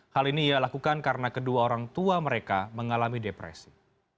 hal ini ia lakukan karena kedua orang tua mereka mengalami depresi